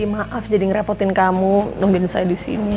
maaf jadi ngerepotin kamu nungguin saya disini